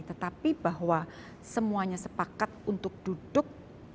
tetapi bahwa semuanya sepakat untuk duduk